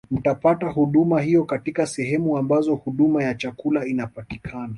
Mtapata huduma hiyo katika sehemu ambazo huduma ya chakula inapatikana